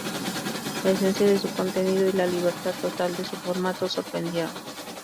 La esencia de su contenido y la libertad total de su formato, sorprendieron.